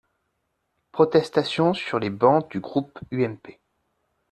Protestations sur les bancs du groupe UMP.